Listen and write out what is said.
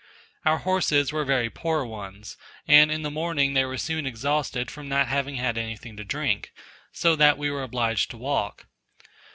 Our horses were very poor ones, and in the morning they were soon exhausted from not having had anything to drink, so that we were obliged to walk.